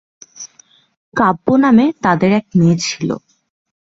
কাব্য নামে তাদের এক মেয়ে ছিল।